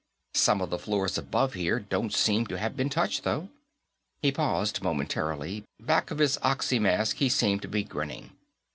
Some of the floors above here don't seem to have been touched, though." He paused momentarily; back of his oxy mask, he seemed to be grinning.